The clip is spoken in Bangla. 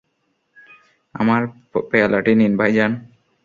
আমার পেয়ালাটি নিন, ভাইজান।